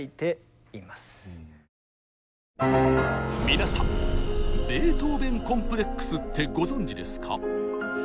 皆さん「ベートーベン・コンプレックス」ってご存じですか？